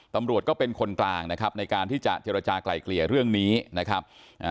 ตำรวจก็เป็นคนกลางนะครับในการที่จะเจรจากลายเกลี่ยเรื่องนี้นะครับ